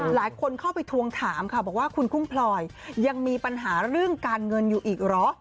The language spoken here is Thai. หลายคนเข้าไปทวงถามค่ะบอกว่าคุณกุ้งพลอยยังมีปัญหาเรื่องการเงินอยู่อีกเหรอ